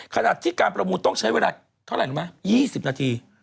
ขณะที่การประมูลต้องใช้เวลาเท่าไหร่รู้ไหม๒๐นาที